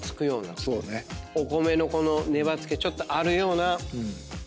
お米のこの粘つきちょっとあるような。